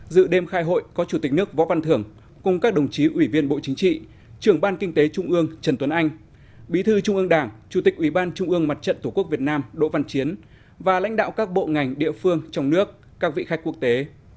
dự đêm khai hội có chủ tịch nước võ văn thưởng cùng các đồng chí ủy viên bộ chính trị trưởng ban kinh tế trung ương trần tuấn anh bí thư trung ương đảng chủ tịch ủy ban trung ương mặt trận tổ quốc việt nam đỗ văn chiến và lãnh đạo các bộ ngành địa phương trong nước các vị khách quốc tế